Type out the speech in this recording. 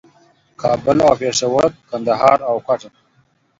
کابل او پېښور، کندهار او کوټه